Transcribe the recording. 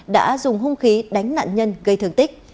đã dùng hung khí đánh nạn nhân gây thương tích